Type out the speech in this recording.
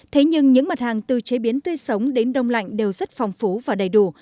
thế nhưng những mặt hàng từ chế biến tươi sống đến đông lạnh đều rất phong phú và đầy đủ